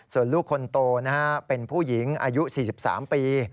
ส่วนลูกคนโตเป็นผู้หญิงอายุ๔๓ปี